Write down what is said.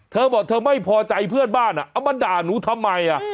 เธอบอกเธอไม่พอใจเพื่อนบ้านเอามาด่าหนูทำไม